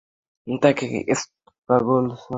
তাকে পাগল ছাড়া আর কি ডাকব?